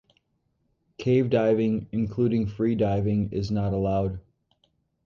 Cave diving, including free diving, is not allowed.